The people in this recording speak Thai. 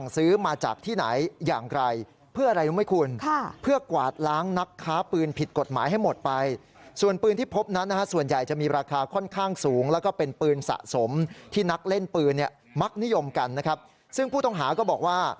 ซึ่งผู้ต้องหาก็บอกว่า